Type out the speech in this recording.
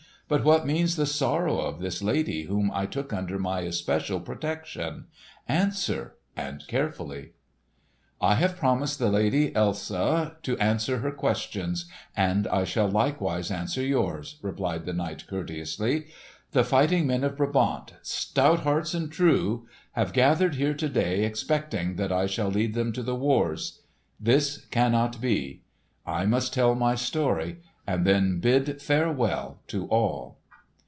"But what means the sorrow of this lady whom I took under my especial protection? Answer, and carefully!" "I have promised the Lady Elsa to answer her questions, and I shall likewise answer yours," replied the knight, courteously. "The fighting men of Brabant—stout hearts and true—have gathered here to day expecting that I shall lead them to the wars. This cannot be. I must tell my story and then bid farewell to all."